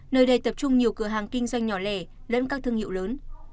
nơi đây tập trung nhiều cửa hàng kinh doanh nhỏ lẻ lẫn các thương hiệu lớn